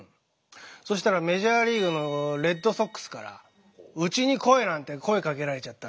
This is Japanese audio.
そしたらメジャーリーグのレッドソックスからうちに来いなんて声かけられちゃった。